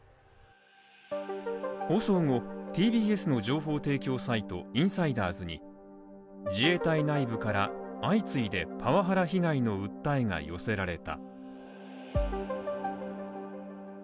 その後、ＴＢＳの情報提供サイト「インサイダーズ」に自衛隊内部から相次いでパワハラ被害の訴えが寄せられた。